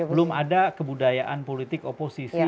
belum ada kebudayaan politik oposisi